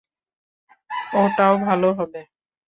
ওটাও ভালো হবে।